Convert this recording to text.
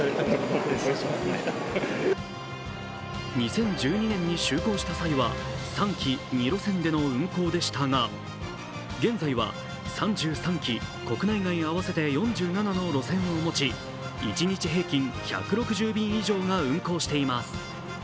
２０１２年に就航した際は３機・２路線での運航でしたが現在は３３機、国内外合わせて４７の路線を持ち一日平均１６０便以上が運航しています。